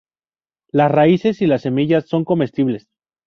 Las raíces y las semillas son comestibles.